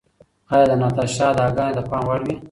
ایا د ناتاشا اداګانې د پام وړ وې؟